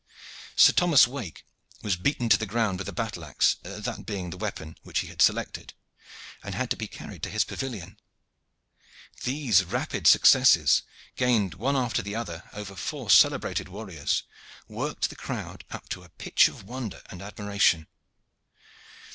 Sir Thomas Wake was beaten to the ground with a battle axe that being the weapon which he had selected and had to be carried to his pavilion. These rapid successes, gained one after the other over four celebrated warriors, worked the crowd up to a pitch of wonder and admiration.